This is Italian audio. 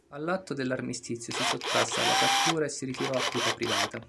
All'atto dell'armistizio si sottrasse alla cattura e si ritiro' a vita privata.